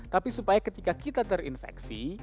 tapi supaya ketika kita terinfeksi